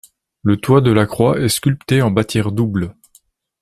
Le toit de la croix est sculpté en bâtière double.